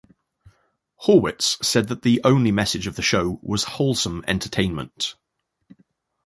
Horwitz said that the only message of the show was "wholesome entertainment".